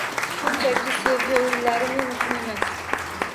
Shunchaki sevgi o`yinlari men uchun emas